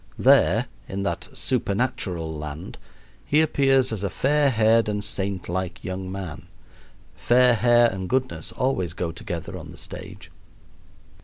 There, in that supernatural land, he appears as a fair haired and saintlike young man fair hair and goodness always go together on the stage.